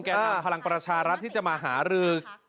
แกทำพลังประชารัฐที่จะมาหาลือกับพักเพื่อไทยเนี่ย